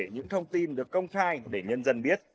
những thông tin được công khai để nhân dân biết